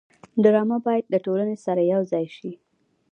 ډرامه باید له ټولنې سره یوځای شي